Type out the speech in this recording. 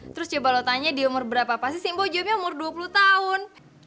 terus coba lo tanya di umur berapa pasti simbo jawabnya umur dua puluh tahun